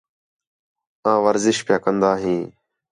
آں ورزش پِیا کندا ہیں